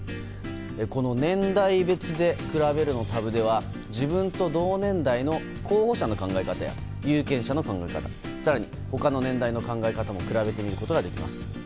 この年代別で比べるというタブでは自分と同年代の候補者の考え方や有権者の考え方、更に他の年代の考え方も比べることができます。